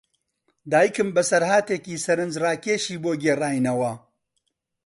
دایکم بەسەرهاتێکی سەرنجڕاکێشی بۆ گێڕاینەوە.